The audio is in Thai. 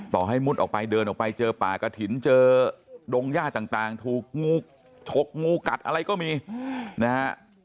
ต่อให้มุดออกไปเดินออกไปเจอป่ากระถิ่นเจอดงย่าต่างถูกงูฉกงูกัดอะไรก็มีนะฮะ